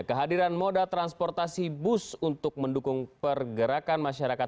kehadiran moda transportasi bus untuk mendukung pergerakan masyarakat